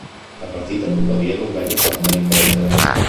La partita tuttavia non venne fatta ripetere.